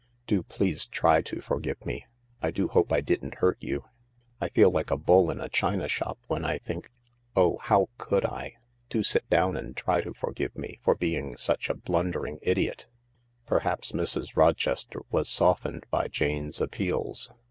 " Do please try to forgive me— I do hope I didn't hurt you. I feel like a bull in a china shop when I think Oh, how could I ? Do sit down and try to forgive me for being such a blundering idiot." Perhaps Mrs. Rochester was softened by Jane's appeals.